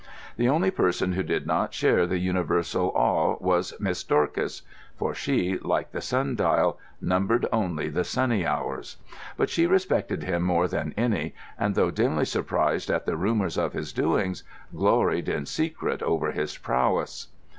The only person who did not share the universal awe was Miss Dorcas; for she, like the sundial, "numbered only the sunny hours." But she respected him more than any, and, though dimly surprised at the rumours of his doings, gloried in secret over his prowess.